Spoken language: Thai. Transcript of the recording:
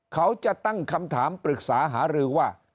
เขาจะตั้งคำถามปรึกษาหารือว่า